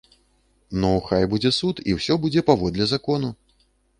Ну, хай будзе суд і ўсё будзе паводле закону!